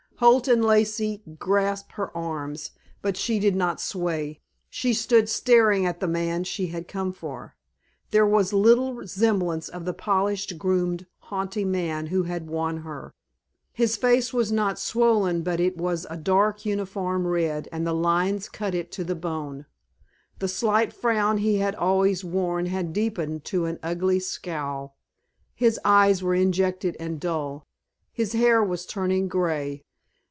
Holt and Lacey grasped her arms, but she did not sway; she stood staring at the man she had come for. There was little semblance of the polished, groomed, haughty man who had won her. His face was not swollen but it was a dark uniform red and the lines cut it to the bone. The slight frown he had always worn had deepened to an ugly scowl. His eyes were injected and dull, his hair was turning gray.